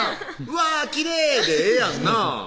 「うわきれい」でええやんなぁ